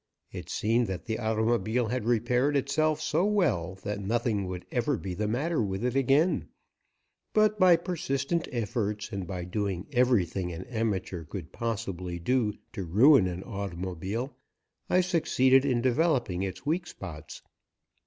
It seemed that the automobile had repaired itself so well that nothing would ever be the matter with it again, but by persistent efforts and by doing everything an amateur could possibly do to ruin an automobile, I succeeded in developing its weak spots.